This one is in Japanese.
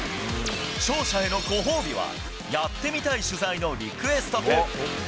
勝者へのご褒美は、やってみたい取材のリクエスト権。